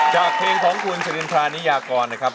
จากเพลงของคุณเฉลียวพระนิยากรนะครับ